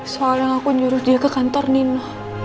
soalnya aku nyuruh dia ke kantor nino